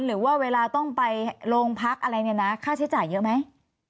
หรือว่าเวลาต้องไปโรงพักอะไรเนี่ยนะค่าใช้จ่ายเยอะไหม